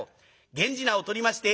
源氏名をとりまして